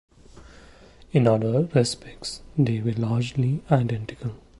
In other respects they were largely identical.